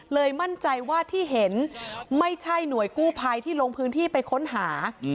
มั่นใจว่าที่เห็นไม่ใช่หน่วยกู้ภัยที่ลงพื้นที่ไปค้นหา